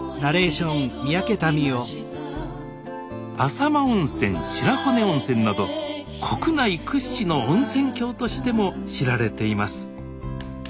浅間温泉白骨温泉など国内屈指の温泉郷としても知られています